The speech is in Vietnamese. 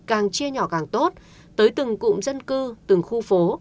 càng chia nhỏ càng tốt tới từng cụm dân cư từng khu phố